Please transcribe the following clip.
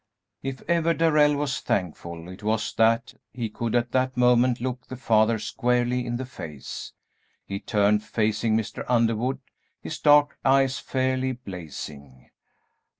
If ever Darrell was thankful, it was that he could at that moment look the father squarely in the face. He turned, facing Mr. Underwood, his dark eyes fairly blazing.